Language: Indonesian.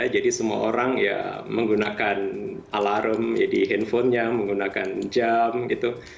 jadi semua orang ya menggunakan alarm di handphonenya menggunakan jam gitu